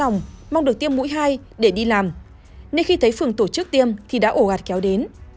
nên khi thấy phường tổ chức tiêm thì đã ổ gạt kéo đến